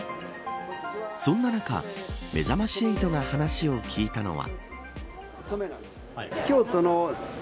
そんな中めざまし８が話を聞いたのは。